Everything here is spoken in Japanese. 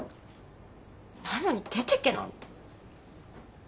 なのに出てけなんて。